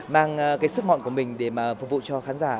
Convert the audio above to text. mang sức mạnh của mình để phục vụ cho khán giả